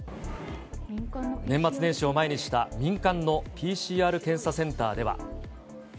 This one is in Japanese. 年末年始を前にした民間のＰＣＲ検査センターでは。